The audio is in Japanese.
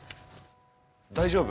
大丈夫？